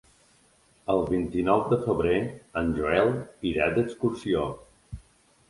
El vint-i-nou de febrer en Joel irà d'excursió.